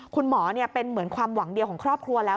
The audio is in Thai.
คุณหมอเป็นเหมือนความหวังเดียวของครอบครัวแล้ว